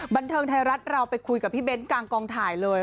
บันเทิงไทยรัฐเราไปคุยกับพี่เบ้นกลางกองถ่ายเลย